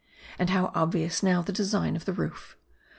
And how obvious now the design of the roof.